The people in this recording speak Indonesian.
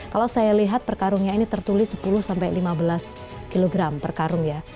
kalau saya lihat per karungnya ini tertulis sepuluh sampai lima belas kg per karung ya